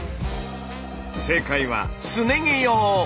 正解はすね毛用。